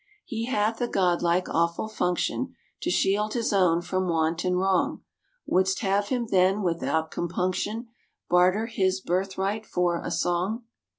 He hath a God like, awful function, To shield his own from want and wrong; Wouldst have him, then, without compunction, Barter his birthright for a song?